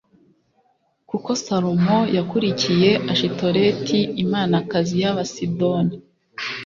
kuko Salomo yakurikiye Ashitoreti imanakazi y’Abasidoni